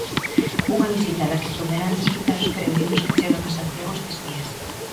Unha visita da que poderán desfrutar os peregrinos que chegan a Santiago estes días.